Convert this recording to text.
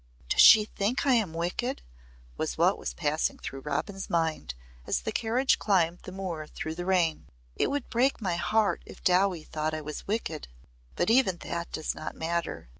"Does she think I am wicked?" was what was passing through Robin's mind as the carriage climbed the moor through the rain. "It would break my heart if Dowie thought I was wicked. But even that does not matter.